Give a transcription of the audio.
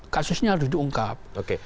kasusnya harus diungkap